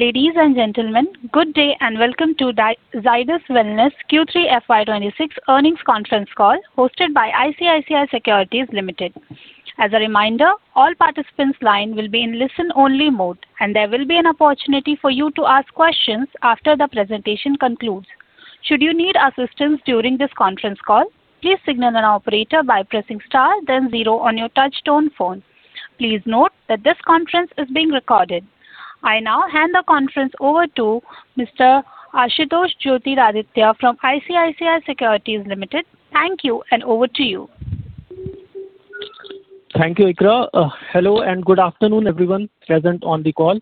Ladies and gentlemen, good day, and welcome to the Zydus Wellness Q3 FY 2026 earnings conference call, hosted by ICICI Securities Limited. As a reminder, all participants' line will be in listen-only mode, and there will be an opportunity for you to ask questions after the presentation concludes. Should you need assistance during this conference call, please signal an operator by pressing star then zero on your touchtone phone. Please note that this conference is being recorded. I now hand the conference over to Mr. Ashutosh Joytiraditya from ICICI Securities Limited. Thank you, and over to you. Thank you, Iqra. Hello, and good afternoon, everyone present on the call.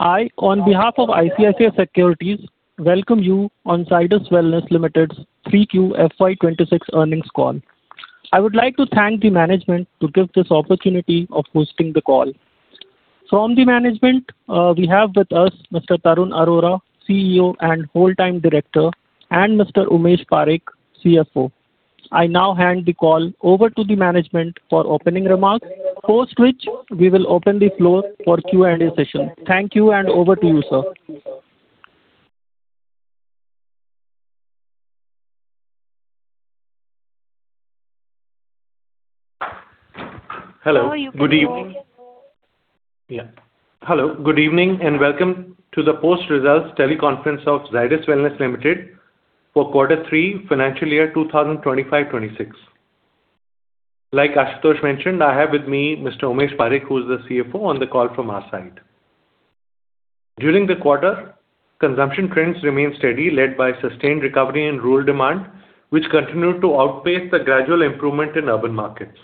I, on behalf of ICICI Securities, welcome you on Zydus Wellness Limited's Q3 FY 2026 earnings call. I would like to thank the management to give this opportunity of hosting the call. From the management, we have with us Mr. Tarun Arora, CEO, and full-time director, and Mr. Umesh Parikh, CFO. I now hand the call over to the management for opening remarks, post which we will open the floor for Q&A session. Thank you, and over to you, sir. Hello, good evening. Hello, good evening, and welcome to the post-results teleconference of Zydus Wellness Limited for quarter three, financial year 2025-2026. Like Ashutosh mentioned, I have with me Mr. Umesh Parikh, who is the CFO on the call from our side. During the quarter, consumption trends remained steady, led by sustained recovery in rural demand, which continued to outpace the gradual improvement in urban markets.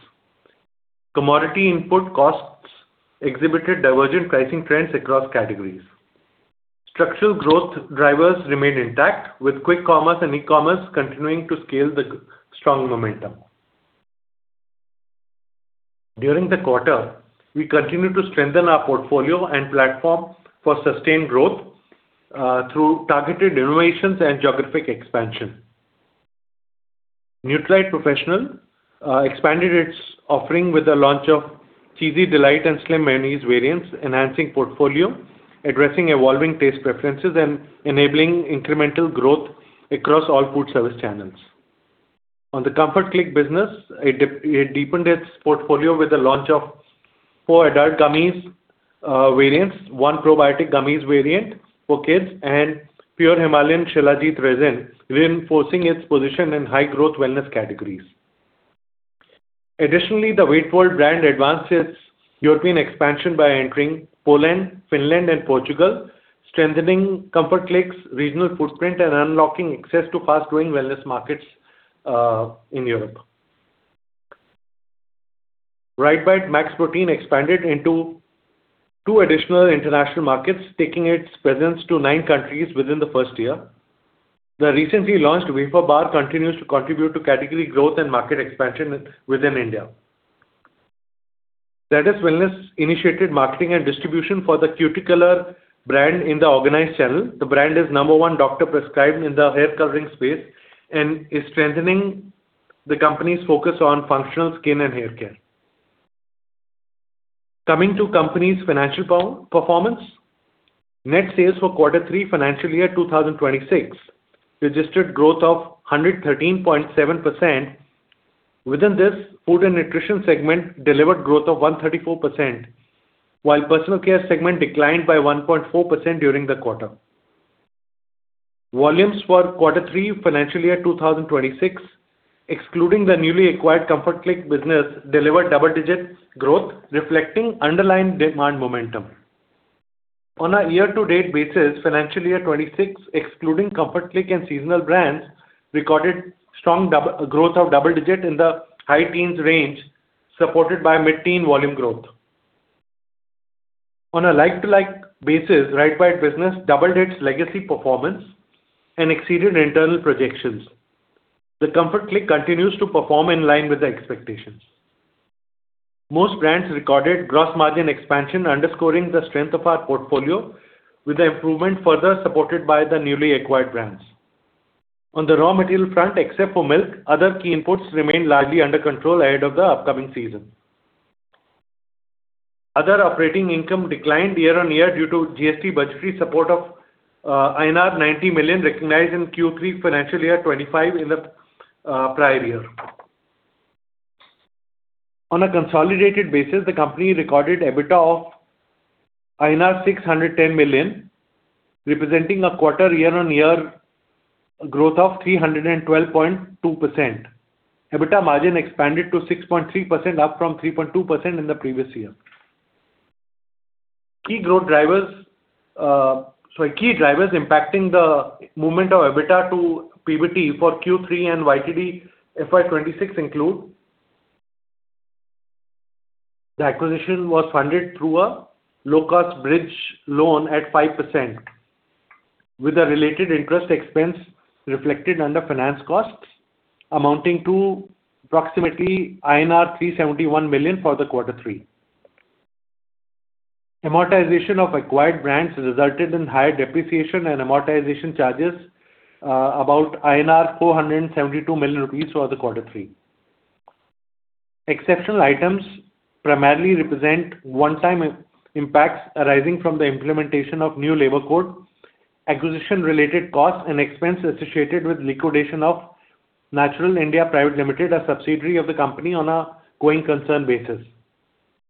Commodity input costs exhibited divergent pricing trends across categories. Structural growth drivers remained intact, with quick commerce and e-commerce continuing to scale the strong momentum. During the quarter, we continued to strengthen our portfolio and platform for sustained growth through targeted innovations and geographic expansion. Nutralite Professional expanded its offering with the launch of Cheesy Delight and Slim Mayonnaise variants, enhancing portfolio, addressing evolving taste preferences, and enabling incremental growth across all food service channels. On the Comfort Click business, it deepened its portfolio with the launch of four adult gummies variants, one probiotic gummies variant for kids, and pure Himalayan Shilajit Resin, reinforcing its position in high-growth wellness categories. Additionally, the WeightWorld brand advanced its European expansion by entering Poland, Finland, and Portugal, strengthening Comfort Click's regional footprint and unlocking access to fast-growing wellness markets in Europe. RiteBite Max Protein expanded into two additional international markets, taking its presence to nine countries within the first year. The recently launched Wafer Bar continues to contribute to category growth and market expansion within India. Zydus Wellness initiated marketing and distribution for the Cuticolor brand in the organized channel. The brand is number one doctor-prescribed in the hair coloring space and is strengthening the company's focus on functional skin and hair care. Coming to the company's financial performance, net sales for quarter three financial year 2026 registered growth of 113.7%. Within this, food and nutrition segment delivered growth of 134%, while personal care segment declined by 1.4% during the quarter. Volumes for quarter three financial year 2026, excluding the newly acquired Comfort Click business, delivered double-digit growth, reflecting underlying demand momentum. On a year-to-date basis, financial year 2026, excluding Comfort Click and seasonal brands, recorded strong growth of double-digit in the high teens range, supported by mid-teen volume growth. On a like-to-like basis, RiteBite business doubled its legacy performance and exceeded internal projections. The Comfort Click continues to perform in line with the expectations. Most brands recorded gross margin expansion, underscoring the strength of our portfolio, with the improvement further supported by the newly acquired brands. On the raw material front, except for milk, other key inputs remained largely under control ahead of the upcoming season. Other operating income declined year-on-year due to GST budgetary support of INR 90 million, recognized in Q3 financial year 2025 in the prior year. On a consolidated basis, the company recorded EBITDA of INR 610 million, representing a quarter year-on-year growth of 312.2%. EBITDA margin expanded to 6.3%, up from 3.2% in the previous year. Key drivers impacting the movement of EBITDA to PBT for Q3 and YTD FY 2026 include: The acquisition was funded through a low-cost bridge loan at 5%, with the related interest expense reflected under finance costs amounting to approximately INR 371 million for the quarter three. Amortization of acquired brands resulted in higher depreciation and amortization charges, about 472 million rupees for quarter three. Exceptional items primarily represent one-time impacts arising from the implementation of new labor code, acquisition related costs, and expense associated with liquidation of Naturell (India) Private Limited, a subsidiary of the company, on a going concern basis.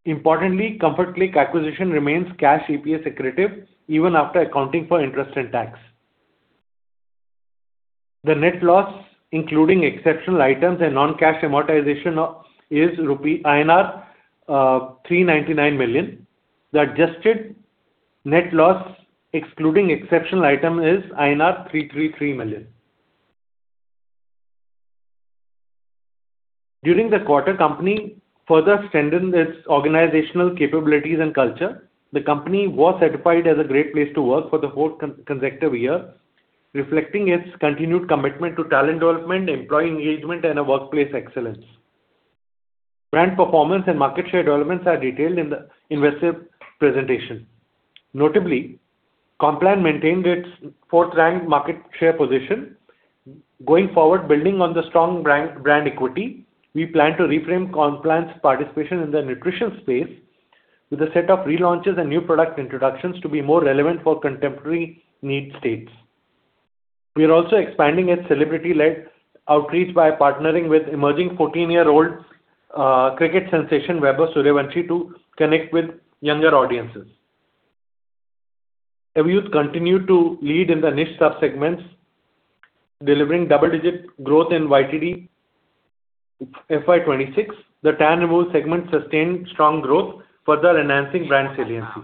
Importantly, Comfort Click acquisition remains cash EPS accretive even after accounting for interest and tax. The net loss, including exceptional items and non-cash amortization, is rupee 399 million. The adjusted net loss, excluding exceptional item, is INR 333 million. During the quarter, company further strengthened its organizational capabilities and culture. The company was certified as a great place to work for the fourth consecutive year, reflecting its continued commitment to talent development, employee engagement, and a workplace excellence. Brand performance and market share developments are detailed in the investor presentation. Notably, Complan maintained its fourth ranked market share position. Going forward, building on the strong brand, brand equity, we plan to reframe Complan's participation in the nutrition space with a set of relaunches and new product introductions to be more relevant for contemporary need states. We are also expanding its celebrity-led outreach by partnering with emerging 14-year-old cricket sensation, Vaibhav Suryavanshi, to connect with younger audiences. Everyuth continue to lead in the niche sub-segments, delivering double-digit growth in YTD FY 2026. The tangible segment sustained strong growth, further enhancing brand saliency.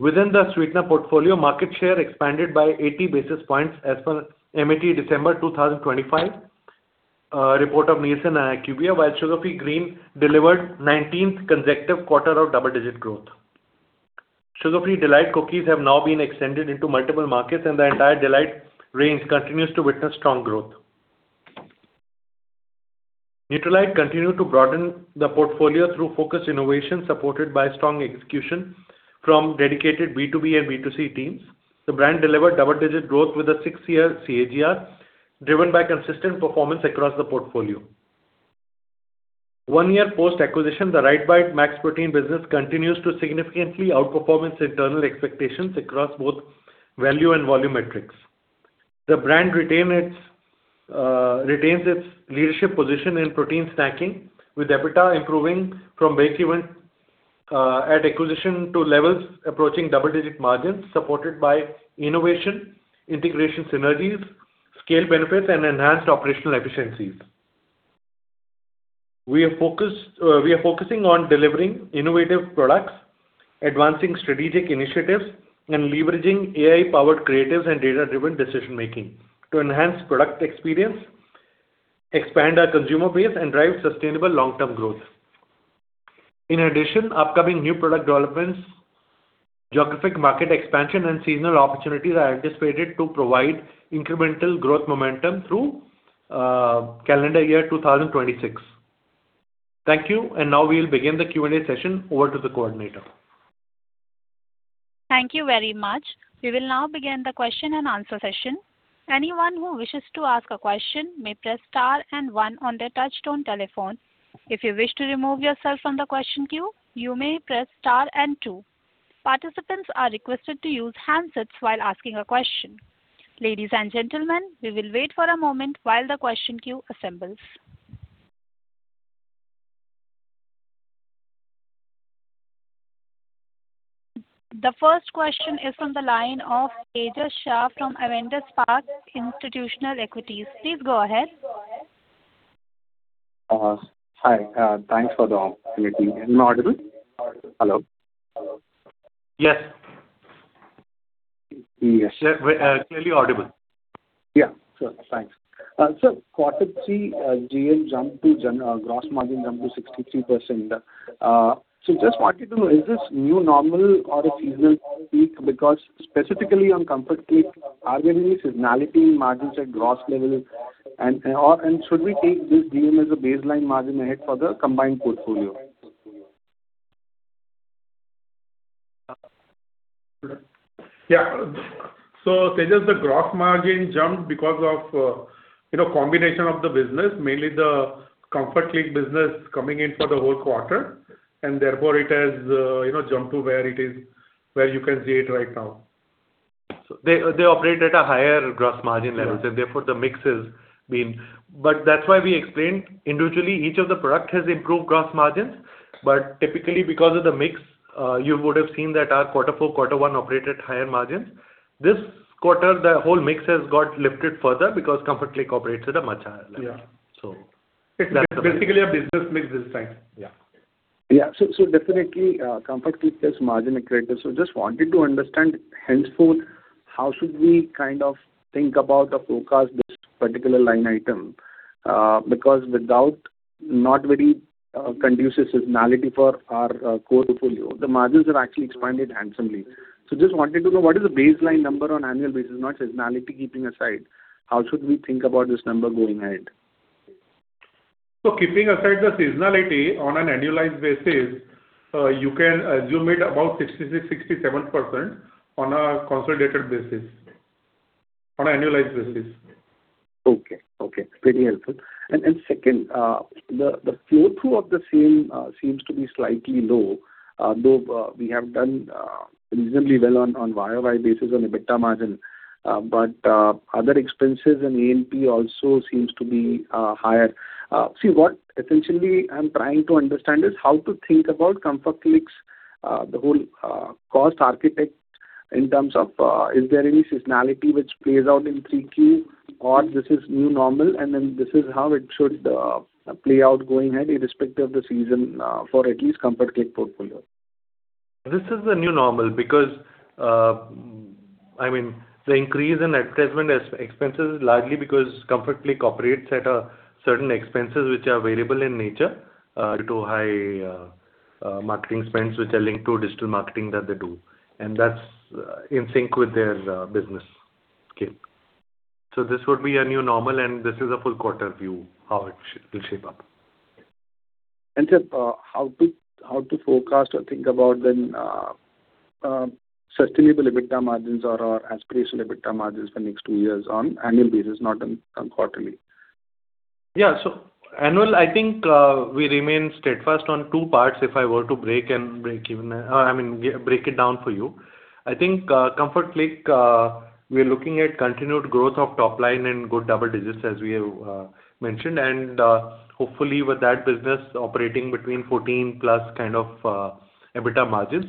Within the sweetener portfolio, market share expanded by 80 basis points as per MAT December 2025 report of Nielsen and IQVIA, while Sugar Free Green delivered 19th consecutive quarter of double-digit growth. Sugar Free D'lite cookies have now been extended into multiple markets, and the entire D'lite range continues to witness strong growth. Nutralite continued to broaden the portfolio through focused innovation, supported by strong execution from dedicated B2B and B2C teams. The brand delivered double-digit growth with a six-year CAGR, driven by consistent performance across the portfolio. One year post-acquisition, the RiteBite Max Protein business continues to significantly outperform its internal expectations across both value and volume metrics. The brand retains its leadership position in protein snacking, with EBITDA improving from base even at acquisition to levels approaching double-digit margins, supported by innovation, integration synergies, scale benefits, and enhanced operational efficiencies. We are focusing on delivering innovative products, advancing strategic initiatives, and leveraging AI-powered creatives and data-driven decision making to enhance product experience, expand our consumer base, and drive sustainable long-term growth. In addition, upcoming new product developments, geographic market expansion, and seasonal opportunities are anticipated to provide incremental growth momentum through calendar year 2026. Thank you, and now we'll begin the Q&A session. Over to the coordinator. Thank you very much. We will now begin the question-and-answer session. Anyone who wishes to ask a question may press star and one on their touchtone telephone. If you wish to remove yourself from the question queue, you may press star and two. Participants are requested to use handsets while asking a question. Ladies and gentlemen, we will wait for a moment while the question queue assembles. The first question is from the line of Tejas Shah from Avendus Spark Institutional Equities. Please go ahead. Hi. Thanks for the opportunity. Am I audible? Hello. Yes. Yes. Clearly audible. Yeah, sure. Thanks. So quarter three, GM jumped to 63%. So just wanted to know, is this new normal or a seasonal peak? Because specifically on Comfort Click, are there any seasonality margins at gross level and, and should we take this GM as a baseline margin ahead for the combined portfolio? Yeah. So Tejas, the gross margin jumped because of, you know, combination of the business, mainly the Comfort Click business coming in for the whole quarter, and therefore it has, you know, jumped to where it is, where you can see it right now. So they operate at a higher gross margin levels- Yeah. and therefore, the mix has been... But that's why we explained individually, each of the product has improved gross margins. But typically, because of the mix, you would have seen that our quarter four, quarter one operated at higher margins. This quarter, the whole mix has got lifted further because Comfort Click operates at a much higher level. Yeah. So- It's basically a business mix this time. Yeah. Yeah. So, so definitely, Comfort Click is margin accretive. So just wanted to understand, henceforth, how should we kind of think about or forecast this particular line item? Because without not very conducive seasonality for our core portfolio, the margins have actually expanded handsomely. So just wanted to know, what is the baseline number on annual basis, not seasonality keeping aside, how should we think about this number going ahead? So keeping aside the seasonality on an annualized basis, you can assume it about 60%-67% on a consolidated basis, on an annualized basis. Okay, okay, very helpful. And second, the flow-through of the same seems to be slightly low, though we have done reasonably well on a YoY basis on EBITDA margin. But other expenses and A&P also seems to be higher. See, what essentially I'm trying to understand is how to think about Comfort Click's whole cost architecture in terms of, is there any seasonality which plays out in Q3, or this is new normal, and then this is how it should play out going ahead, irrespective of the season, for at least Comfort Click portfolio? This is the new normal, because, I mean, the increase in ad expenses is largely because Comfort Click operates at a certain expenses which are variable in nature, due to high marketing spends, which are linked to digital marketing that they do, and that's in sync with their business scale. So this would be a new normal, and this is a full quarter view, how it will shape up. Sir, how to forecast or think about the sustainable EBITDA margins or our aspirational EBITDA margins for next two years on annual basis, not on quarterly? Yeah. So annual, I think, we remain steadfast on two parts, if I were to I mean, break it down for you. I think, Comfort Click, we are looking at continued growth of top line in good double digits, as we have mentioned. And, hopefully, with that business operating between 14+ kind of EBITDA margins.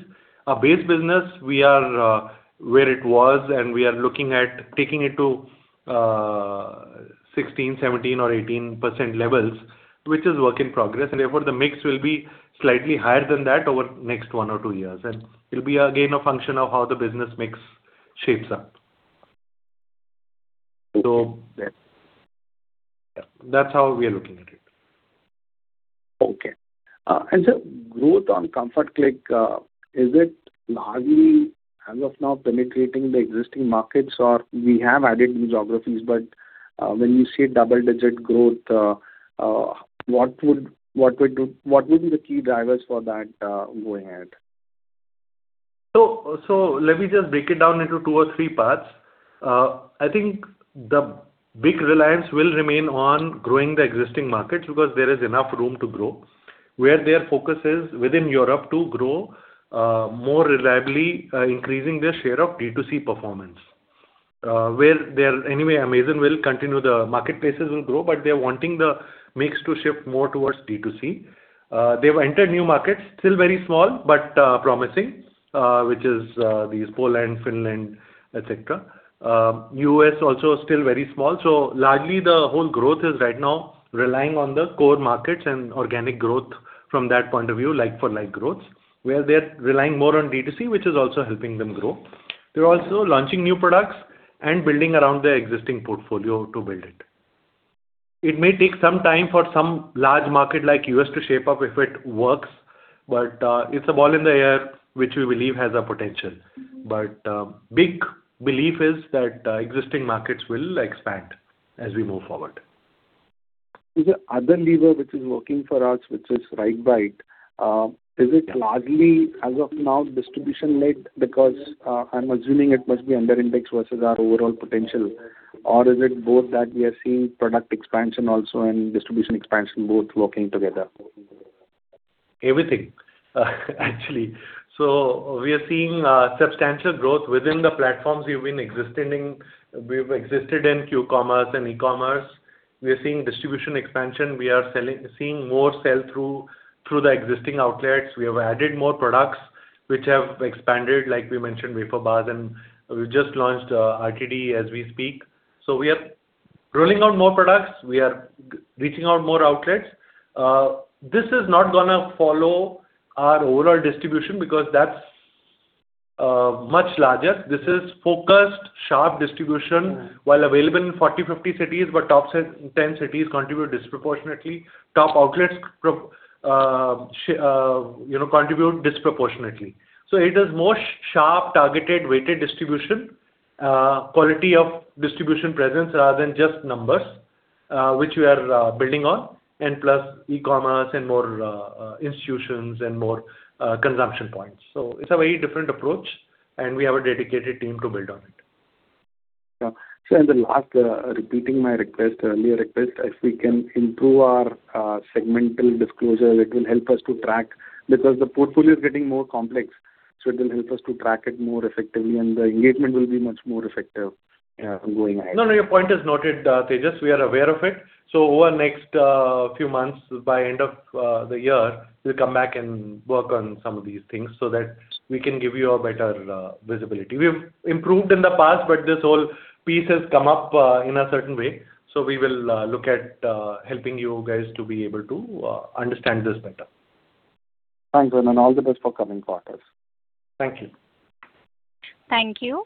Our base business, we are where it was, and we are looking at taking it to 16%, 17%, or 18% levels, which is work in progress. And therefore, the mix will be slightly higher than that over the next one or two years, and it'll be, again, a function of how the business mix shapes up. Okay. Yeah, that's how we are looking at it. Okay. And, sir, growth on Comfort Click, is it largely, as of now, penetrating the existing markets or we have added new geographies? But, when you say double-digit growth, what would be the key drivers for that, going ahead? So let me just break it down into two or three parts. I think the big reliance will remain on growing the existing markets, because there is enough room to grow. Where their focus is within Europe to grow more reliably, increasing their share of D2C performance. Where they are anyway, Amazon will continue, the market places will grow, but they're wanting the mix to shift more towards D2C. They've entered new markets, still very small, but promising, which is these Poland, Finland, et cetera. U.S. also still very small. So largely, the whole growth is right now relying on the core markets and organic growth from that point of view, like-for-like growth, where they're relying more on D2C, which is also helping them grow. They're also launching new products and building around their existing portfolio to build it. It may take some time for some large market like U.S. to shape up if it works, but, it's a ball in the air, which we believe has a potential. But, big belief is that, existing markets will expand as we move forward. Is there other lever which is working for us, which is RiteBite? Is it largely, as of now, distribution-led? Because, I'm assuming it must be under index versus our overall potential. Or is it both that we are seeing product expansion also and distribution expansion, both working together? Everything, actually. So we are seeing substantial growth within the platforms we've been existing in. We've existed in Q-commerce and e-commerce. We are seeing distribution expansion. We are seeing more sell-through through the existing outlets. We have added more products which have expanded, like we mentioned, Wafer Bars, and we've just launched RTD as we speak. So we are rolling out more products. We are reaching out more outlets. This is not gonna follow our overall distribution because that's much larger. This is focused, sharp distribution, while available in 40, 50 cities, but top 10 cities contribute disproportionately. Top outlets, you know, contribute disproportionately. So it is more sharp, targeted, weighted distribution, quality of distribution presence rather than just numbers, which we are building on, and plus e-commerce and more institutions and more consumption points. So it's a very different approach, and we have a dedicated team to build on it. Yeah. So and the last, repeating my request, earlier request, if we can improve our segmental disclosure, it will help us to track, because the portfolio is getting more complex, so it will help us to track it more effectively, and the engagement will be much more effective, going ahead. No, no, your point is noted, Tejas. We are aware of it. So over the next few months, by end of the year, we'll come back and work on some of these things so that we can give you a better visibility. We've improved in the past, but this whole piece has come up in a certain way, so we will look at helping you guys to be able to understand this better. Thanks, and all the best for coming quarters. Thank you. Thank you.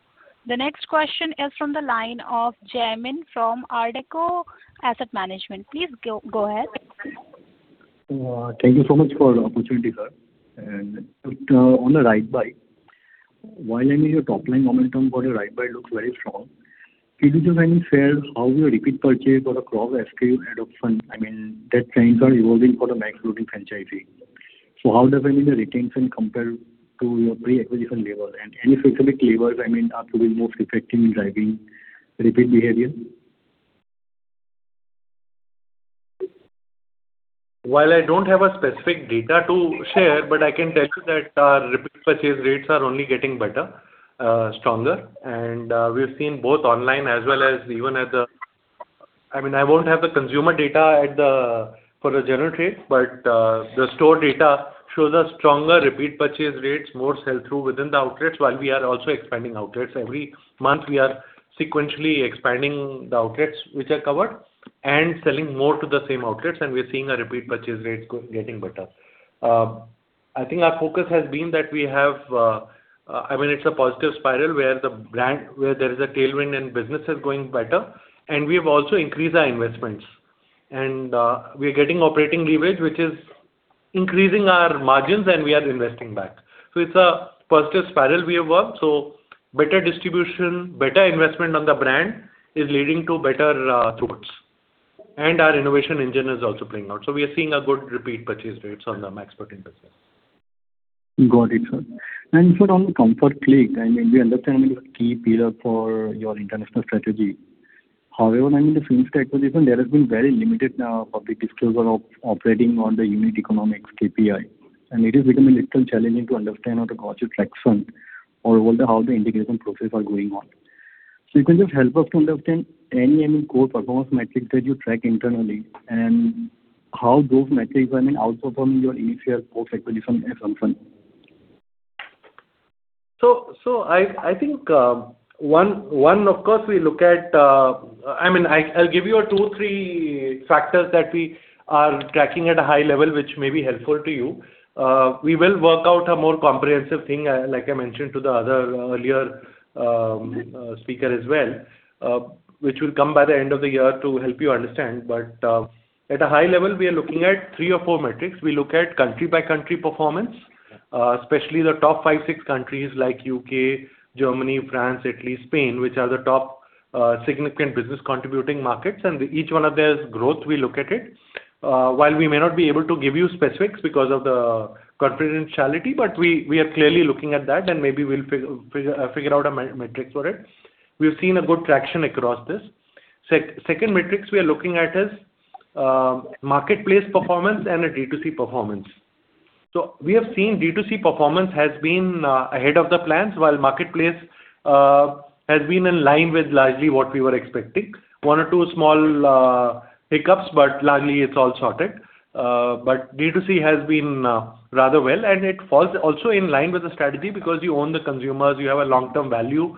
The next question is from the line of Jaymin from ARDEKO Asset Management. Please go ahead. Thank you so much for the opportunity, sir. And on the RiteBite—while I mean, your top line momentum for your RiteBite looks very strong, could you just maybe share how your repeat purchase for the cross SKU adoption, I mean, that trends are evolving for the Max Protein franchise. So how does, I mean, the retention compare to your pre-acquisition level? And any specific levers, I mean, are to be most effective in driving repeat behavior? While I don't have a specific data to share, but I can tell you that, repeat purchase rates are only getting better, stronger. We've seen both online as well as even at the—I mean, I won't have the consumer data at the, for the general trade, but, the store data shows a stronger repeat purchase rates, more sell-through within the outlets, while we are also expanding outlets. Every month, we are sequentially expanding the outlets which are covered and selling more to the same outlets, and we're seeing a repeat purchase rates getting better. I think our focus has been that we have, I mean, it's a positive spiral where the brand—where there is a tailwind and business is going better, and we've also increased our investments. And, we're getting operating leverage, which is increasing our margins, and we are investing back. So it's a positive spiral we have worked. So better distribution, better investment on the brand, is leading to better throughputs. And our innovation engine is also playing out. So we are seeing a good repeat purchase rates on the Max Protein business. Got it, sir. Sir, on the Comfort Click, I mean, we understand it's a key pillar for your international strategy. However, I mean, the Comfort Click acquisition, there has been very limited public disclosure of operating on the unit economics KPI, and it has become a little challenging to understand how to gauge your traction or what the, how the integration process are going on. So you can just help us to understand any, I mean, core performance metrics that you track internally, and how those metrics, I mean, outperform your initial post-acquisition assumption? So, I think, of course, we look at. I mean, I'll give you two, three factors that we are tracking at a high level, which may be helpful to you. We will work out a more comprehensive thing, like I mentioned to the other earlier speaker as well, which will come by the end of the year to help you understand. But, at a high level, we are looking at three or four metrics. We look at country-by-country performance, especially the top five, six countries like U.K., Germany, France, Italy, Spain, which are the top significant business contributing markets, and each one of their growth, we look at it. While we may not be able to give you specifics because of the confidentiality, but we are clearly looking at that, and maybe we'll figure out metrics for it. We've seen good traction across this. Second metrics we are looking at is marketplace performance and a D2C performance. So we have seen D2C performance has been ahead of the plans, while marketplace has been in line with largely what we were expecting. One or two small hiccups, but largely it's all sorted. But D2C has been rather well, and it falls also in line with the strategy, because you own the consumers, you have a long-term value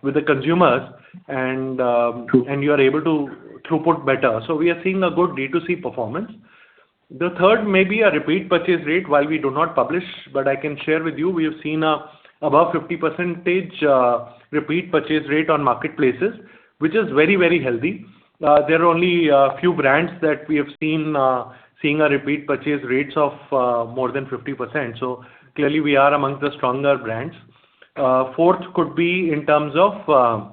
with the consumers, and you are able to throughput better. So we are seeing a good D2C performance. The third may be a repeat purchase rate, while we do not publish, but I can share with you, we have seen above 50%, repeat purchase rate on marketplaces, which is very, very healthy. There are only a few brands that we have seen seeing a repeat purchase rates of more than 50%. So clearly, we are amongst the stronger brands. Fourth could be in terms of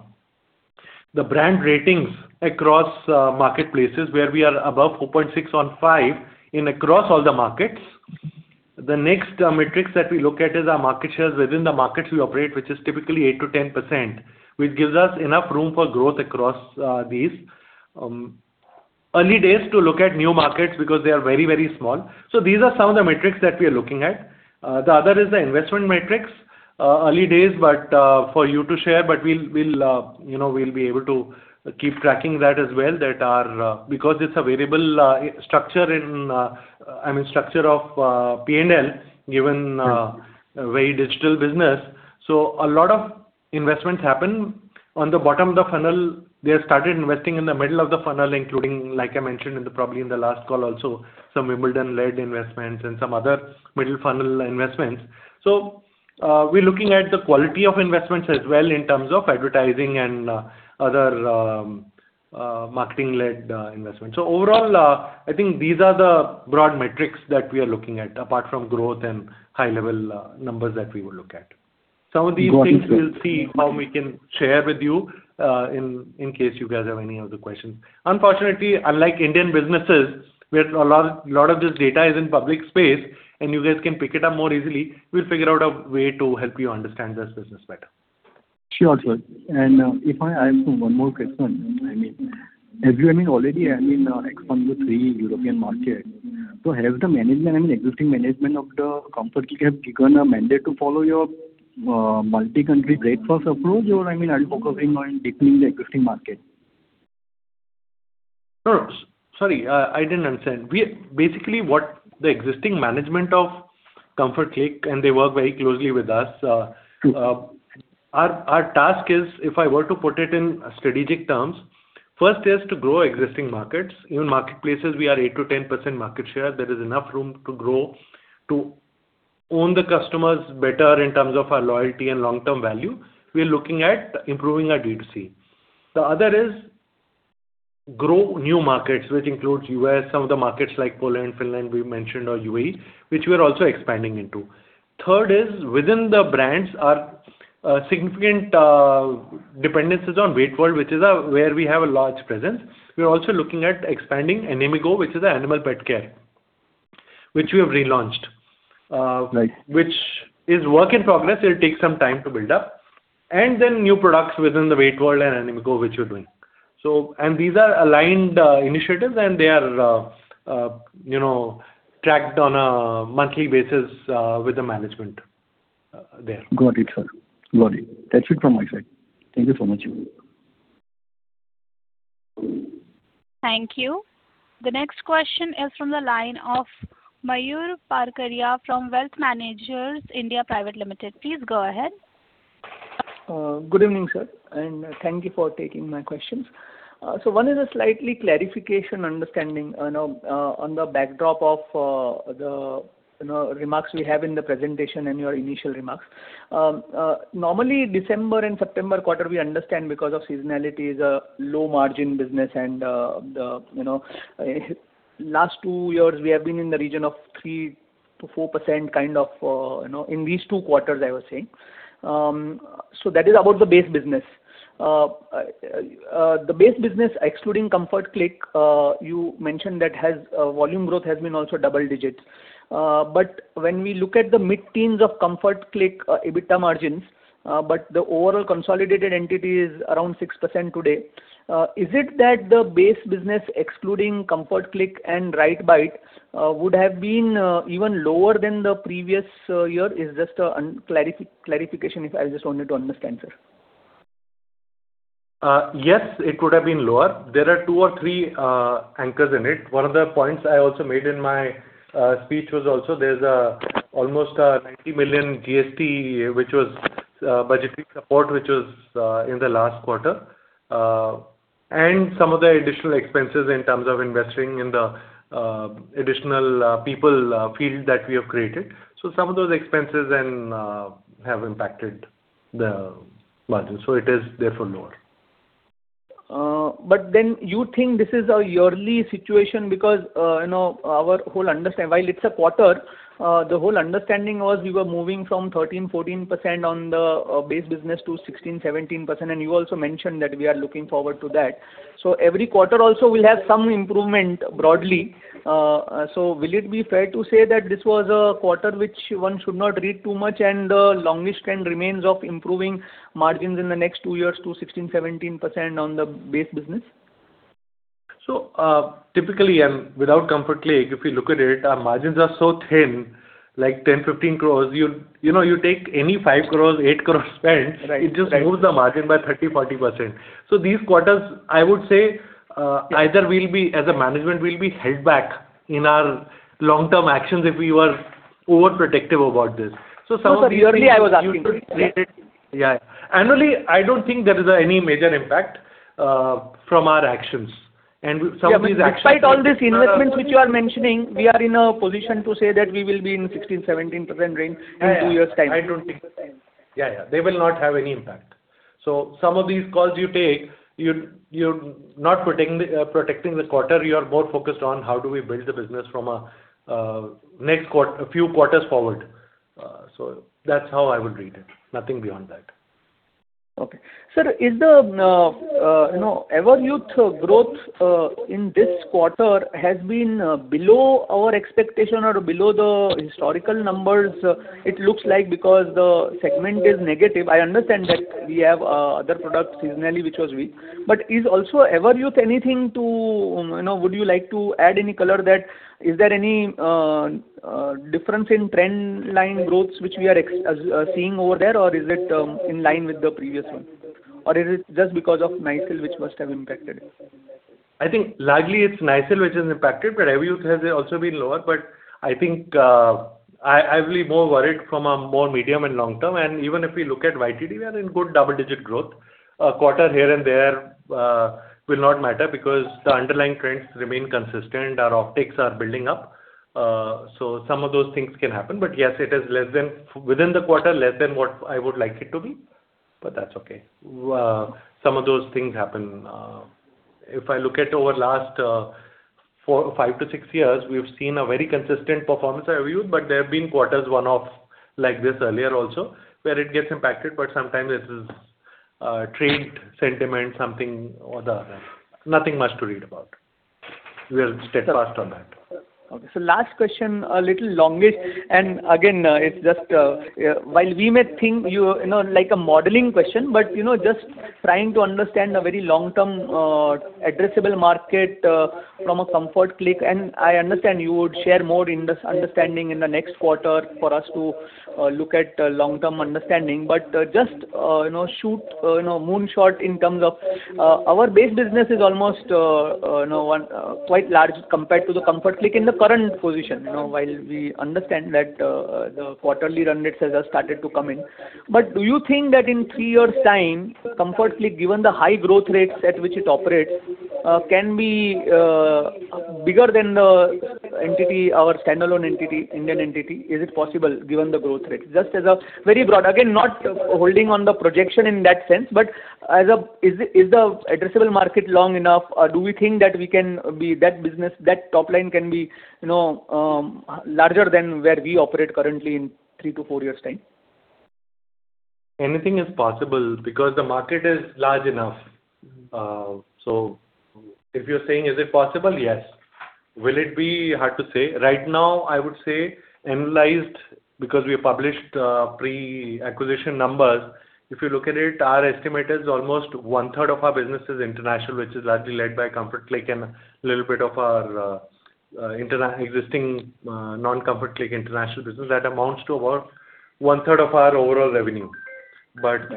the brand ratings across marketplaces, where we are above 4.6 out of 5 across all the markets. The next metrics that we look at is our market shares within the markets we operate, which is typically 8%-10%, which gives us enough room for growth across these. Early days to look at new markets because they are very, very small. So these are some of the metrics that we are looking at. The other is the investment metrics. Early days, but for you to share, but we'll, we'll, you know, we'll be able to keep tracking that as well, that are-- Because it's a variable structure in, I mean, structure of P&L, given a very digital business. So a lot of investments happen. On the bottom of the funnel, they have started investing in the middle of the funnel, including, like I mentioned in the, probably in the last call also, some Wimbledon-led investments and some other middle funnel investments. So, we're looking at the quality of investments as well in terms of advertising and other marketing-led investments. So overall, I think these are the broad metrics that we are looking at, apart from growth and high-level numbers that we will look at. Got it, sir. Some of these things we'll see how we can share with you, in case you guys have any other questions. Unfortunately, unlike Indian businesses, where a lot, a lot of this data is in public space, and you guys can pick it up more easily, we'll figure out a way to help you understand this business better. Sure, sir. If I ask you one more question, I mean, have you, I mean, already, I mean, expand to three European market. So has the management, I mean, existing management of the Comfort Click, have taken a mandate to follow your multi-country breadth-first approach, or, I mean, are you focusing on deepening the existing market? Sure. Sorry, I didn't understand. Basically, what the existing management of Comfort Click, and they work very closely with us. Our task is, if I were to put it in strategic terms, first is to grow existing markets. Even marketplaces, we are 8%-10% market share. There is enough room to grow, to own the customers better in terms of our loyalty and long-term value. We are looking at improving our D2C. The other is grow new markets, which includes U.S., some of the markets like Poland, Finland, we mentioned, or UAE, which we are also expanding into. Third is, within the brands are significant dependencies on WeightWorld, which is where we have a large presence. We are also looking at expanding Animigo, which is an animal pet care, which we have relaunched. Right. Which is work in progress, it'll take some time to build up. And then new products within the WeightWorld and Animigo, which we're doing. And these are aligned, you know, tracked on a monthly basis, with the management, there. Got it, sir. Got it. That's it from my side. Thank you so much. Thank you. The next question is from the line of Mayur Parkaria from Wealth Managers India Private Limited. Please go ahead. Good evening, sir, and thank you for taking my questions. So one is a slight clarification, understanding, you know, on the backdrop of the remarks we have in the presentation and your initial remarks. Normally, December and September quarter, we understand because of seasonality, is a low-margin business and the last two years, we have been in the region of 3%-4% kind of in these two quarters, I was saying. So that is about the base business. The base business, excluding Comfort Click, you mentioned that has volume growth has been also double digits. But when we look at the mid-teens of Comfort Click EBITDA margins, but the overall consolidated entity is around 6% today. Is it that the base business, excluding Comfort Click and RiteBite, would have been even lower than the previous year? It's just a clarification. I just wanted to understand, sir. Yes, it could have been lower. There are two or three anchors in it. One of the points I also made in my speech was also there's almost 90 million GST, which was budgeting support, which was in the last quarter. And some of the additional expenses in terms of investing in the additional people field that we have created. So some of those expenses then have impacted the margin, so it is therefore lower. But then you think this is a yearly situation because, you know, while it's a quarter, the whole understanding was we were moving from 13%-14% on the base business to 16%-17%, and you also mentioned that we are looking forward to that. So every quarter also will have some improvement broadly. So will it be fair to say that this was a quarter which one should not read too much, and the longest trend remains of improving margins in the next two years to 16%-17% on the base business? So, typically, and without Comfort Click, if you look at it, our margins are so thin, like 10 crore, 15 crore. You know, you take any 5 crore, 8 crore spend- Right, right. It just moves the margin by 30%-40%. So these quarters, I would say, either we'll be, as a management, we'll be held back in our long-term actions if we were overprotective about this. No, sir, yearly I was asking. So some of these things you should treat it... Yeah. Annually, I don't think there is any major impact from our actions. And some of these actions- Yeah, but despite all these investments which you are mentioning, we are in a position to say that we will be in 16%-17% range in two years' time. Yeah, yeah. Yeah, yeah, they will not have any impact. So some of these calls you take, you're not protecting the quarter, you are more focused on how do we build the business from a next quarter- a few quarters forward. So that's how I would read it. Nothing beyond that. Okay. Sir, is the, you know, Everyuth growth in this quarter has been below our expectation or below the historical numbers? It looks like because the segment is negative. I understand that we have other products seasonally, which was weak. But is also Everyuth anything to... You know, would you like to add any color that, is there any difference in trend line growths which we are seeing over there, or is it in line with the previous one? Or is it just because of Nycil, which must have impacted it? I think largely it's Nycil which is impacted, but Everyuth has also been lower. But I think, I, I'll be more worried from a more medium and long term. And even if we look at YTD, we are in good double-digit growth. A quarter here and there, will not matter because the underlying trends remain consistent. Our optics are building up. So some of those things can happen, but yes, it is less than, within the quarter, less than what I would like it to be, but that's okay. Some of those things happen. If I look at over last, four, five to six years, we've seen a very consistent performance at Everyuth, but there have been quarters, one-off, like this earlier also, where it gets impacted, but sometimes it is, trade, sentiment, something or the other. Nothing much to read about. We are steadfast on that. Okay. So last question, a little longish, and again, it's just, while we may think you... You know, like a modeling question, but, you know, just trying to understand a very long-term, addressable market, from a Comfort Click. And I understand you would share more in this understanding in the next quarter for us to, look at, long-term understanding. But, just, you know, shoot, you know, moonshot in terms of, our base business is almost, you know, one, quite large compared to the Comfort Click in the current position. You know, while we understand that, the quarterly run rates have started to come in. But do you think that in three years' time, Comfort Click, given the high growth rates at which it operates, can be bigger than the entity, our standalone entity, Indian entity, is it possible given the growth rate? Just as a very broad, again, not holding on the projection in that sense, but as a, is the, is the addressable market long enough, or do we think that we can be that business, that top line can be, you know, larger than where we operate currently in three to four years' time? Anything is possible because the market is large enough. So if you're saying, is it possible? Yes. Will it be? Hard to say. Right now, I would say analyzed, because we published pre-acquisition numbers. If you look at it, our estimate is almost one third of our business is international, which is largely led by Comfort Click and a little bit of our pre-existing non-Comfort Click international business. That amounts to about one third of our overall revenue. But,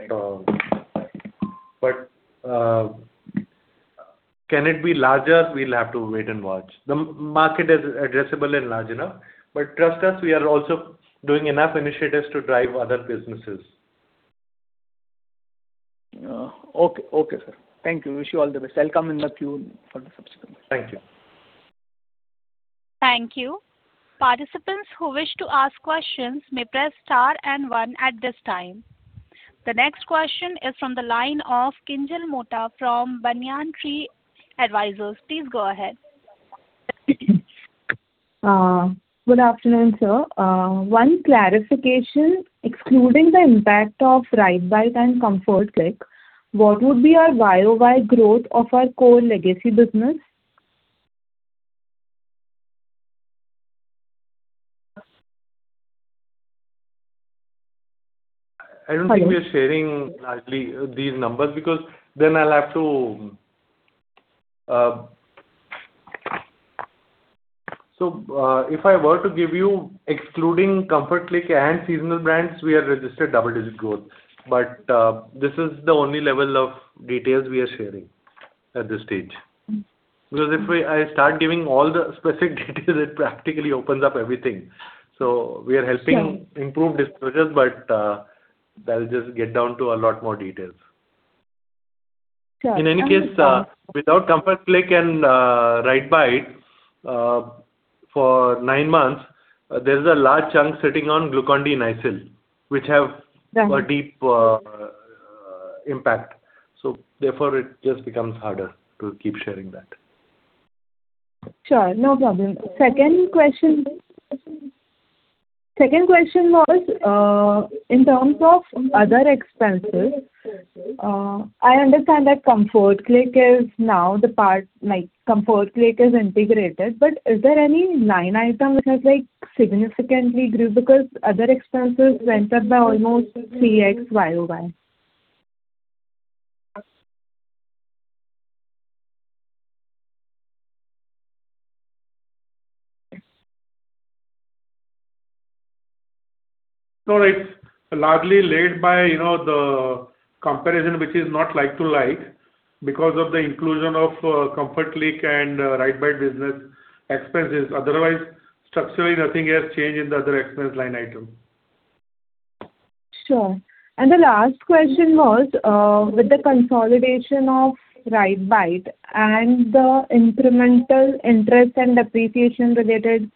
can it be larger? We'll have to wait and watch. The market is addressable and large enough, but trust us, we are also doing enough initiatives to drive other businesses. Okay, sir. Thank you. Wish you all the best. I'll come in the queue for the subsequent. Thank you. Thank you. Participants who wish to ask questions may press star and one at this time. The next question is from the line of Kinjal Mota from Banyan Tree Advisors. Please go ahead. Good afternoon, sir. One clarification, excluding the impact of RiteBite and Comfort Click, what would be our YoY growth of our core legacy business? I don't think we're sharing largely these numbers, because then I'll have to. So, if I were to give you excluding Comfort Click and Seasonal Brands, we have registered double-digit growth. But, this is the only level of details we are sharing at this stage. Because if I start giving all the specific details, it practically opens up everything. So we are helping- Sure. Improve disclosures, but that'll just get down to a lot more details. Sure. In any case, without Comfort Click and RiteBite, for nine months, there's a large chunk sitting on Glucon-D and Nycil, which have- Right. a deep impact, so therefore it just becomes harder to keep sharing that. Sure, no problem. Second question, second question was, in terms of other expenses, I understand that Comfort Click is now the part, like, Comfort Click is integrated, but is there any line item which has, like, significantly grew? Because other expenses went up by almost 3x YoY. No, it's largely led by, you know, the comparison, which is not like to like, because of the inclusion of Comfort Click and RiteBite business expenses. Otherwise, structurally, nothing has changed in the other expense line item. Sure. And the last question was, with the consolidation of RiteBite and the incremental interest and depreciation-related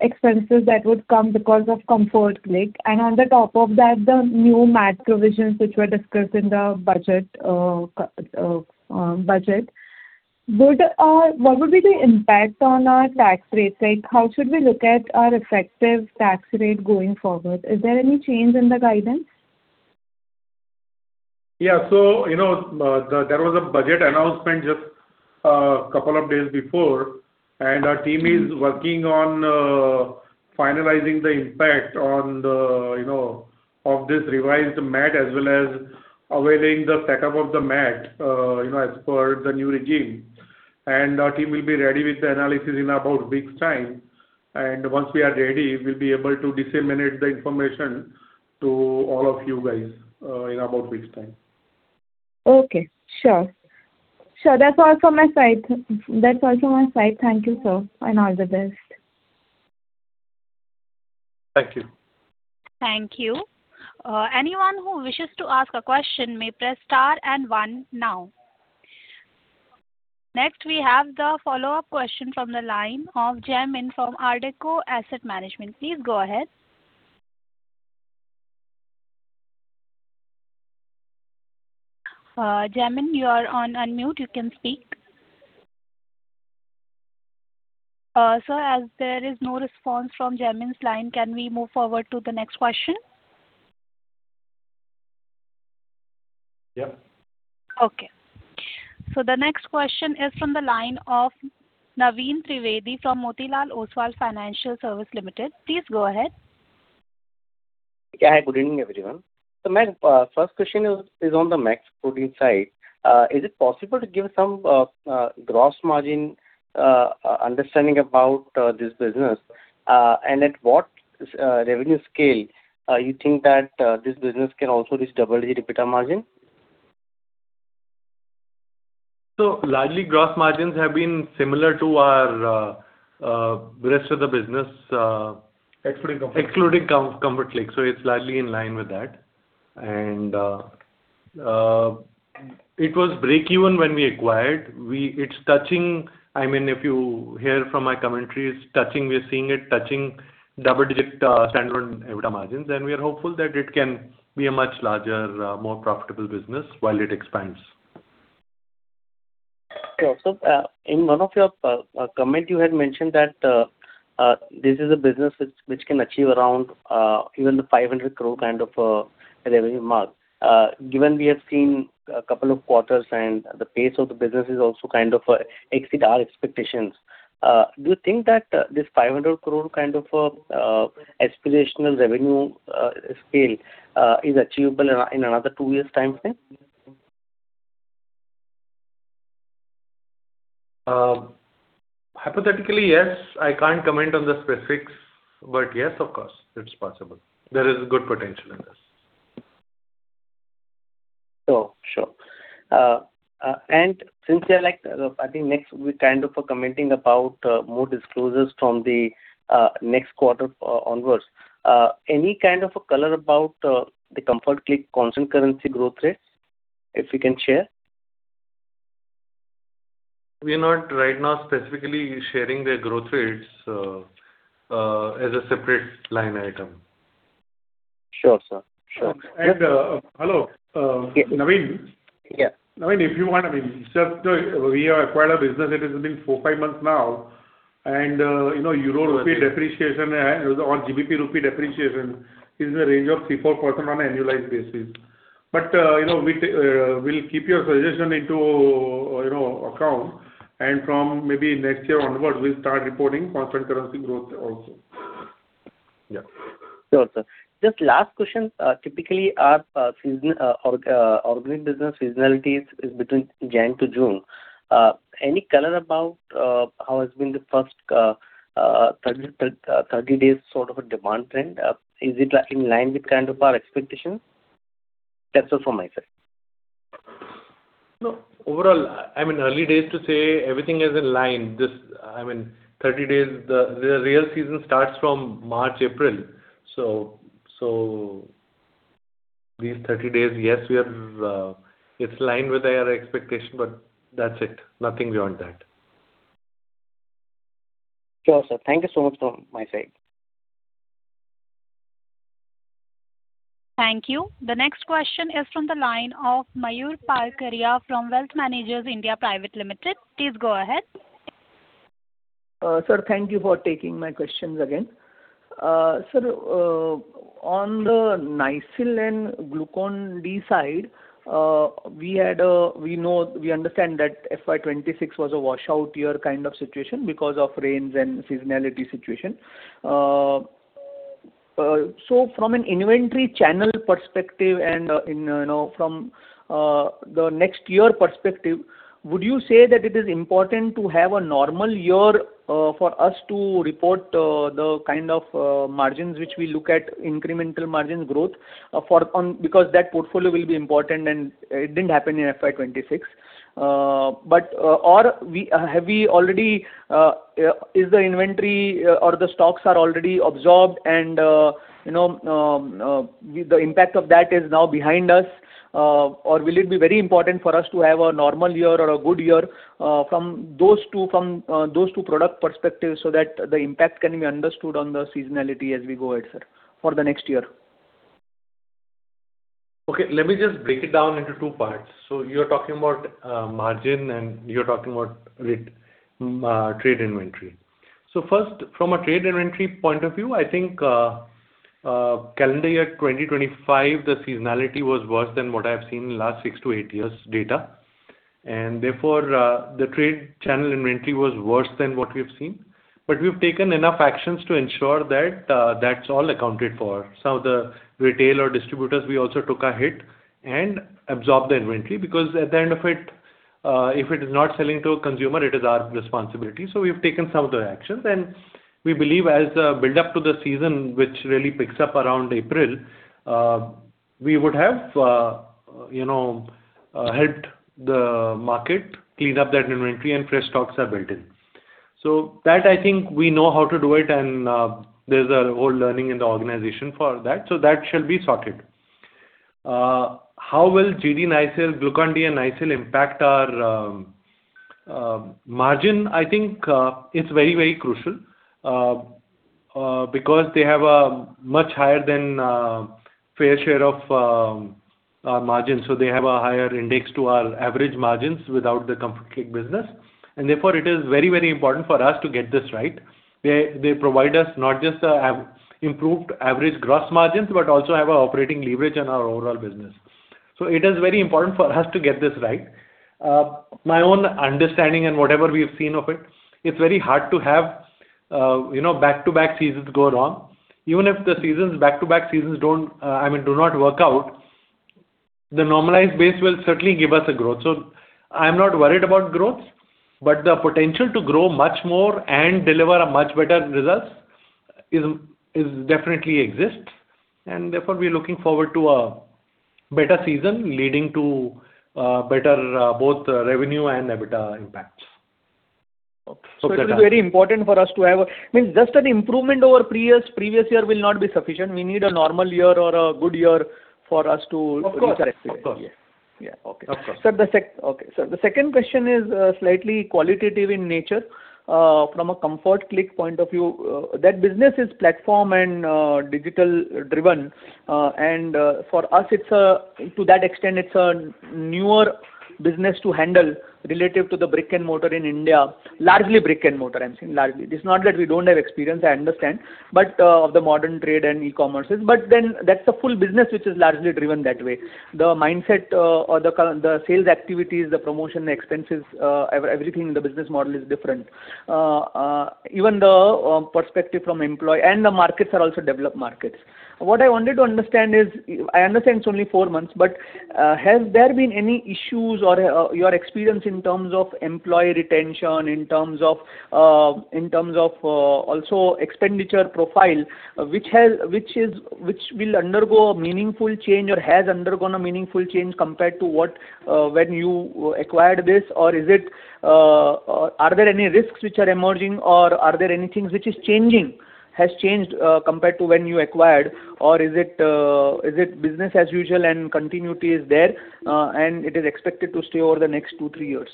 expenses that would come because of Comfort Click, and on the top of that, the new MAT provisions which were discussed in the budget, what would be the impact on our tax rates? Like, how should we look at our effective tax rate going forward? Is there any change in the guidance? Yeah. So, you know, the, there was a budget announcement just, couple of days before, and our team is working on, finalizing the impact on the, you know, of this revised MAT as well as awaiting the set up of the MAT, you know, as per the new regime. And our team will be ready with the analysis in about week's time, and once we are ready, we'll be able to disseminate the information to all of you guys, in about week's time. Okay. Sure. Sure, that's all from my side. That's all from my side. Thank you, sir, and all the best. Thank you. Thank you. Anyone who wishes to ask a question may press star and one now. Next, we have the follow-up question from the line of Jaymin from ARDEKO Asset Management. Please go ahead. Jaymin, you are on unmute. You can speak. Sir, as there is no response from Jaymin's line, can we move forward to the next question? Yeah. Okay. So the next question is from the line of Naveen Trivedi, from Motilal Oswal Financial Services Limited. Please go ahead. Yeah, good evening, everyone. So my first question is on the Max Protein side. Is it possible to give some gross margin understanding about this business? And at what revenue scale you think that this business can also reach double-digit EBITDA margin? Largely, gross margins have been similar to our rest of the business. Excluding Comfort Click. Excluding Comfort Click. So it's largely in line with that. It was break even when we acquired. It's touching, I mean, if you hear from my commentary, it's touching. We are seeing it touching double-digit standalone EBITDA margins, and we are hopeful that it can be a much larger, more profitable business while it expands. Okay. So, in one of your comment, you had mentioned that this is a business which can achieve around even the 500 crore kind of revenue mark. Given we have seen a couple of quarters and the pace of the business is also kind of exceed our expectations, do you think that this 500 crore kind of aspirational revenue scale is achievable in another two years' time frame? Hypothetically, yes. I can't comment on the specifics, but yes, of course, it's possible. There is good potential in this. Oh, sure. And since you're like, I think next we kind of commenting about more disclosures from the next quarter onwards. Any kind of a color about the Comfort Click constant currency growth rate, if you can share? We are not right now specifically sharing their growth rates as a separate line item. Sure, sir. Sure. Hello Yeah. Naveen. Yeah. Naveen, if you want, I mean, just, we have acquired a business that has been four to five months now, and, you know, EUR-INR depreciation and on GBP-INR depreciation is in the range of 3%-4% on an annualized basis. But, you know, we, we'll keep your suggestion into, you know, account, and from maybe next year onwards, we'll start reporting constant currency growth also. Yeah. Sure, sir. Just last question: typically our season organizing business seasonality is between January to June. Any color about how has been the first 30 days sort of a demand trend? Is it in line with kind of our expectations? That's all from my side. No, overall, I mean, early days to say everything is in line. Just, I mean, 30 days, the real season starts from March, April. So, these 30 days, yes, we are, it's in line with our expectation, but that's it. Nothing beyond that. Sure, sir. Thank you so much from my side. Thank you. The next question is from the line of Mayur Parkaria from Wealth Managers India Private Limited. Please go ahead. Sir, thank you for taking my questions again. Sir, on the Nycil and Glucon-D side, we know—we understand that FY 2026 was a washout year kind of situation because of rains and seasonality situation. So from an inventory channel perspective and, in, you know, from the next year perspective, would you say that it is important to have a normal year for us to report the kind of margins which we look at, incremental margin growth, for—because that portfolio will be important and it didn't happen in FY 2026. But, or we have we already is the inventory or the stocks are already absorbed and, you know, the impact of that is now behind us? Or will it be very important for us to have a normal year or a good year, from those two product perspectives, so that the impact can be understood on the seasonality as we go ahead, sir, for the next year? Okay, let me just break it down into two parts. So you're talking about margin, and you're talking about with trade inventory. So first, from a trade inventory point of view, I think, calendar year 2025, the seasonality was worse than what I have seen in the last six to eight years' data. And therefore, the trade channel inventory was worse than what we've seen. But we've taken enough actions to ensure that, that's all accounted for. Some of the retail or distributors, we also took a hit and absorbed the inventory, because at the end of it, if it is not selling to a consumer, it is our responsibility. So we've taken some of the actions, and we believe as the build-up to the season, which really picks up around April, we would have, you know, hit the market, clean up that inventory, and fresh stocks are built in. So that I think we know how to do it, and, there's a whole learning in the organization for that, so that shall be sorted. How will Glucon-D, Nycil, Glucon-D and Nycil impact our margin? I think, it's very, very crucial, because they have a much higher than fair share of margin. So they have a higher index to our average margins without the Comfort Click business. And therefore, it is very, very important for us to get this right. They, they provide us not just, improved average gross margins, but also have a operating leverage on our overall business. So it is very important for us to get this right. My own understanding and whatever we have seen of it, it's very hard to have, you know, back-to-back seasons go wrong. Even if the seasons, back-to-back seasons don't, I mean, do not work out, the normalized base will certainly give us a growth. So I'm not worried about growth, but the potential to grow much more and deliver a much better results is, is definitely exists, and therefore, we're looking forward to a better season, leading to, better, both revenue and EBITDA impacts. So it is very important for us to have—I mean, just an improvement over previous years. Previous year will not be sufficient. We need a normal year or a good year for us to- Of course, of course. Yeah. Yeah. Okay. Of course. Sir, the second question is slightly qualitative in nature. From a Comfort Click point of view, that business is platform and digital driven. And for us, it's a, to that extent, it's a newer business to handle relative to the brick-and-mortar in India, largely brick-and-mortar, I'm saying, largely. It's not that we don't have experience, I understand, but of the modern trade and e-commerce. But then that's a full business which is largely driven that way. The mindset or the current sales activities, the promotion, the expenses, everything in the business model is different. Even the perspective from employees. And the markets are also developed markets. What I wanted to understand is, I understand it's only four months, but has there been any issues or your experience in terms of employee retention, in terms of also expenditure profile, which will undergo a meaningful change or has undergone a meaningful change compared to what when you acquired this? Or is it, are there any risks which are emerging, or are there any things which is changing, has changed compared to when you acquired? Or is it, is it business as usual and continuity is there, and it is expected to stay over the next two, three years?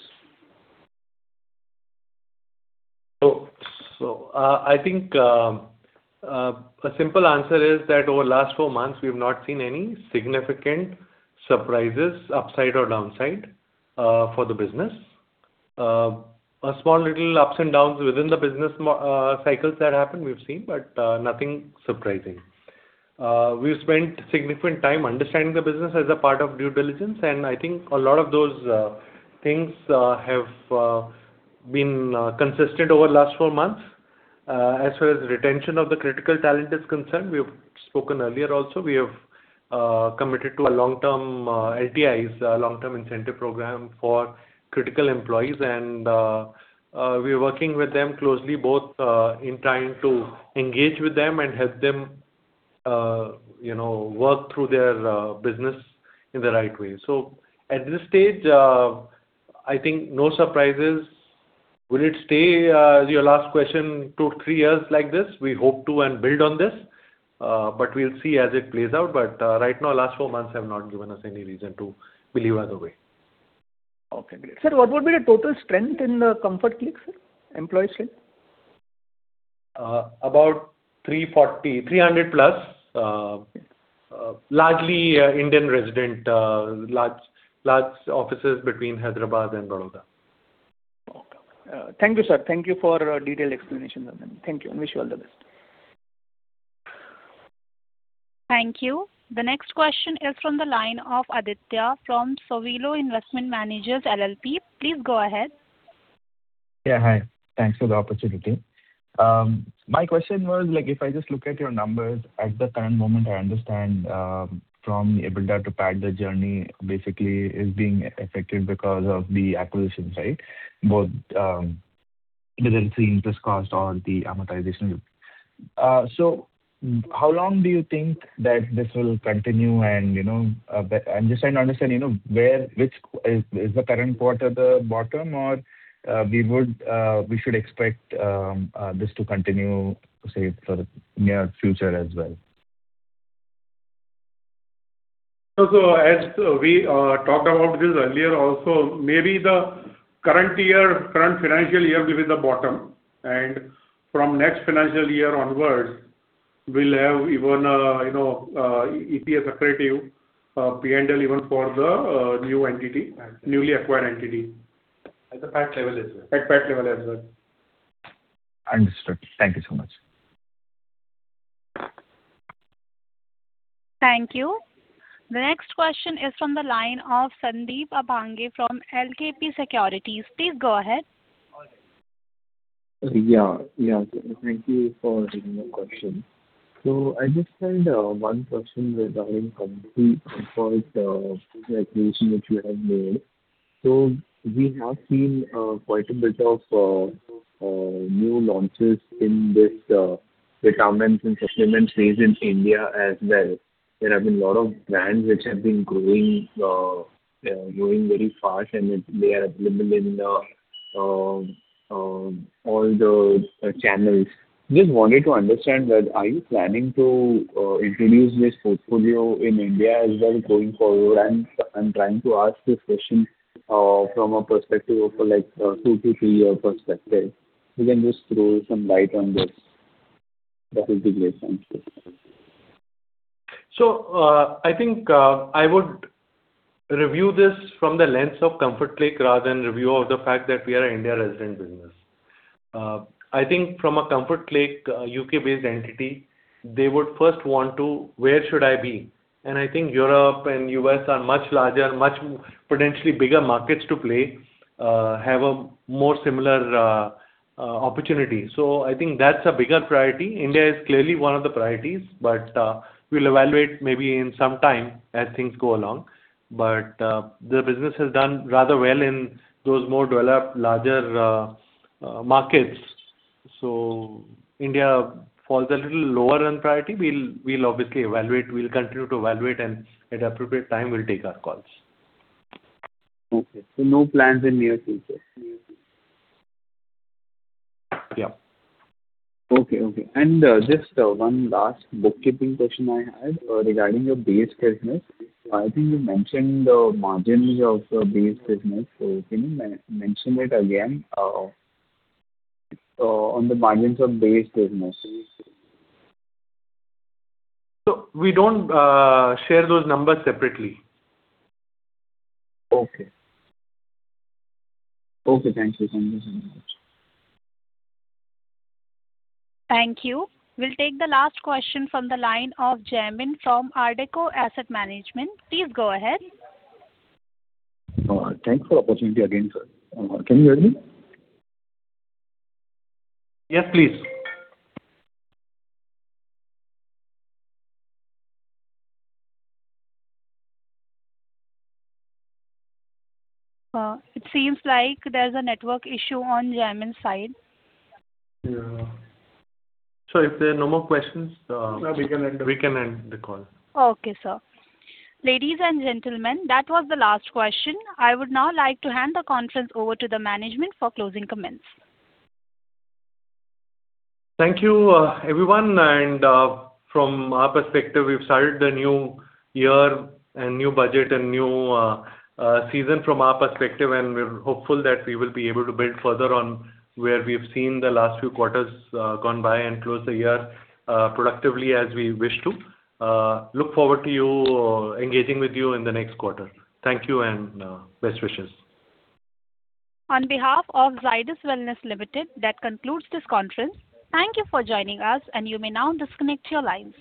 I think a simple answer is that over the last four months, we've not seen any significant surprises, upside or downside, for the business. A small little ups and downs within the business cycles that happen, we've seen, but nothing surprising. We've spent significant time understanding the business as a part of due diligence, and I think a lot of those things have been consistent over the last four months. As far as retention of the critical talent is concerned, we have spoken earlier also. We have committed to a long-term LTIs long-term incentive program for critical employees. We are working with them closely, both in trying to engage with them and help them, you know, work through their business in the right way. So at this stage, I think no surprises. Will it stay, as your last question, two, three years like this? We hope to and build on this, but we'll see as it plays out. But, right now, last four months have not given us any reason to believe otherwise. Okay, great. Sir, what would be the total strength in the Comfort Click, sir, employee strength? About 340, 300+, largely Indian resident, large offices between Hyderabad and Bangalore. Okay. Thank you, sir. Thank you for your detailed explanation. Thank you, and wish you all the best. Thank you. The next question is from the line of Aditya from Sowilo Investment Managers LLP. Please go ahead. Yeah, hi. Thanks for the opportunity. My question was, like, if I just look at your numbers, at the current moment, I understand, from EBITDA to PAT, the journey basically is being affected because of the acquisitions, right? Both, the interest cost or the amortization. So how long do you think that this will continue? And, you know, I'm just trying to understand, you know, where, which, is, is the current quarter the bottom or, we would, we should expect, this to continue, say, for the near future as well? So as we talked about this earlier also, maybe the current year, current financial year will be the bottom, and from next financial year onwards, we'll have even a, you know, EPS accretive, P&L even for the new entity- Got it. Newly acquired entity. At the PAT level as well. At PAT level as well. Understood. Thank you so much. Thank you. The next question is from the line of Sandeep Abhange from LKP Securities. Please go ahead. Yeah, yeah. Thank you for taking the question. So I just had one question regarding company acquisition, which you have made. So we have seen quite a bit of new launches in this vitamins and supplements phase in India as well. There have been a lot of brands which have been growing very fast, and they are available in all the channels. Just wanted to understand that, are you planning to introduce this portfolio in India as well going forward? I'm trying to ask this question from a perspective of like two- to three-year perspective. You can just throw some light on this. That will be great. Thank you. So, I think, I would review this from the lens of Comfort Click rather than review of the fact that we are an India resident business. I think from a Comfort Click, U.K.-based entity, they would first want to, where should I be? And I think Europe and U.S. are much larger, much potentially bigger markets to play, have a more similar, opportunity. So I think that's a bigger priority. India is clearly one of the priorities, but, we'll evaluate maybe in some time as things go along. But, the business has done rather well in those more developed, larger, markets. So India falls a little lower in priority. We'll, we'll obviously evaluate, we'll continue to evaluate, and at appropriate time, we'll take our calls. Okay. So no plans in near future? Yeah. Okay, okay. And, just, one last bookkeeping question I had, regarding your base business. I think you mentioned the margins of your base business. So can you mention it again, on the margins of base business? We don't share those numbers separately. Okay. Okay, thank you so much. Thank you. We'll take the last question from the line of Jaymin from ARDEKO Asset Management. Please go ahead. Thanks for the opportunity again, sir. Can you hear me? Yes, please. It seems like there's a network issue on Jaymin's side. Yeah. So if there are no more questions, we can end the call. Okay, sir. Ladies and gentlemen, that was the last question. I would now like to hand the conference over to the management for closing comments. Thank you, everyone. From our perspective, we've started the new year and new budget and new season from our perspective, and we're hopeful that we will be able to build further on where we've seen the last few quarters gone by and close the year productively as we wish to. Look forward to you engaging with you in the next quarter. Thank you, and best wishes. On behalf of Zydus Wellness Limited, that concludes this conference. Thank you for joining us, and you may now disconnect your lines.